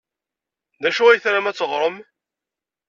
D acu ay tram ad teɣrem?